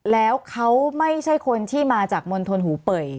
แล้วเขาไม่ใช่คนที่มาจากมณฑลหูเป่ย